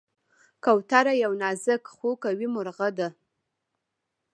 کوتره یو نازک خو قوي مرغه ده.